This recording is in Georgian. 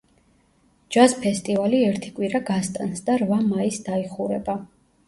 ჯაზ ფესტივალი ერთი კვირა გასტანს და რვა მაისს დაიხურება.